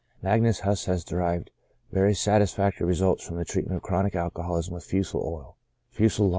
Magnus Huss has derived very satisfactory results from the treatment of chronic alcoholism with fusel oil, (fuselol, * See the Appendix.